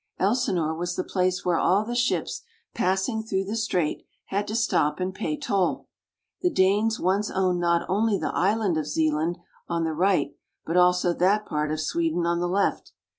Elsinore was the place where all the ships passing through the strait had to stop and pay toll. The Danes once owned not only the Island of Zealand on the right, but also that part of Sweden on the left.